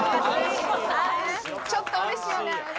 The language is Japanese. ちょっとうれしいよねあれね。